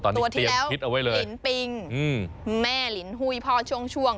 ตัวที่แล้วลินปิงแม่ลินหุ้ยพ่อช่วง